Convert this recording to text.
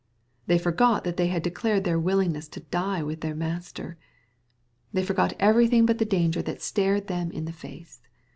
They forgot that they had decUred their willingness to die with their Master. They forgot everything but the danger that stared them in the face.